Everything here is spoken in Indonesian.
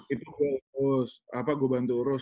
itu gua urus apa gua bantu urus